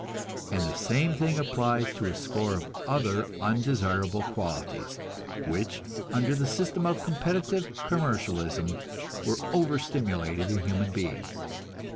And the same thing applies to a score of other undesirable qualities, which, under the system of competitive commercialism, were overstimulated in human beings.